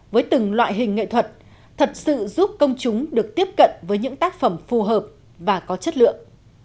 với từng loại hình nghệ thuật thật sự giúp công chúng được tiếp cận với những tác phẩm phù hợp và có chất lượng